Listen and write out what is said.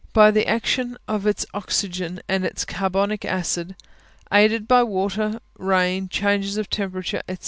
By the action of its oxygen and its carbonic acid, aided by water, rain, changes of temperature, &c.